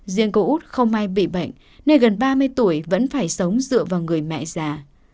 riêng cô út không ai bị bệnh nên gần ba mươi tuổi vẫn phải sống dựa vào người mẹ già